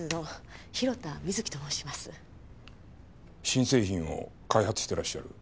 新製品を開発してらっしゃる？